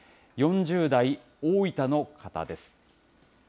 ４０代、大分の方です。